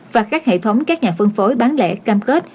và các hệ thống các nhà phân phối bán lẻ cam kết